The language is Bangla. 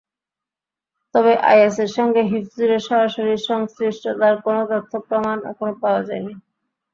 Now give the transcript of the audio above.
তবে আইএসের সঙ্গে হিফজুরের সরাসরি সংশ্লিষ্টতার কোনো তথ্য-প্রমাণ এখনো পাওয়া যায়নি।